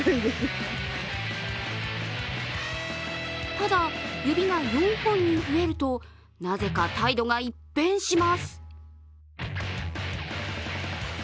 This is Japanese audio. ただ、指が４本に増えるとなぜか態度が一変します。